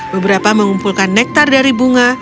beberapa mengumpulkan nektar dari bunga